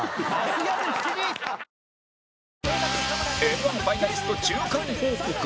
Ｍ−１ ファイナリスト中間報告